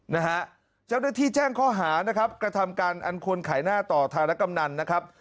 นะฮะเจ้าหน้าที่แจ้งข้อหานะครับกระทำการอันควรขายหน้าต่อธารกำนันนะครับ